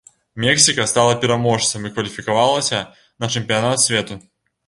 Мексіка стала пераможцам і кваліфікавалася на чэмпіянат свету.